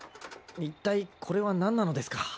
いったいこれは何なのですか？